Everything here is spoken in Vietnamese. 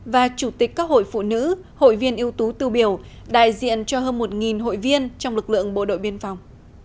và chủ tịch các hội phụ nữ hội viên ưu tú tiêu biểu đại diện cho hơn một hội viên trong lực lượng bộ đội biên phòng